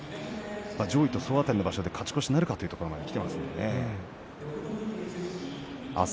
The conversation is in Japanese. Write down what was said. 上位と総当たりの場所で勝ち越しなるかというところまできています。